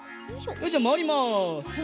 よしじゃあまわります！